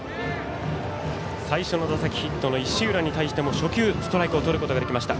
最初の打席、ヒットの石浦に対しても初球、ストライクをとることができました。